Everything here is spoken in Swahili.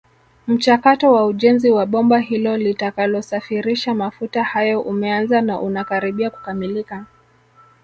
Mchakato wa ujenzi wa bomba hilo litakalosafirisha mafuta hayo umeanza na unakaribia kukamilika